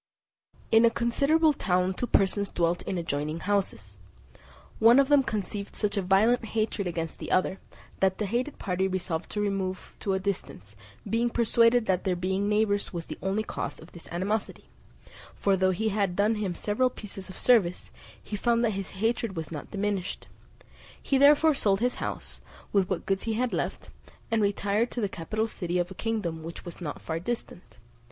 In a considerable town two persons dwelt in adjoining houses. One of them conceived such a violent hatred against the other, that the hated party resolved to remove to a distance, being persuaded that their being neighbours was the only cause of this animosity; for though he had done him several pieces of service, he found that his hatred was not diminished; he therefore sold his house, with what goods he had left, and retired to the capital city of a kingdom which was not far distant.